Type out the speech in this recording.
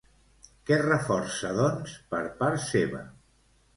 Què reforça, doncs, per part seva?